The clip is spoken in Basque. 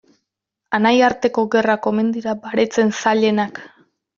Anaiarteko gerrak omen dira baretzen zailenak.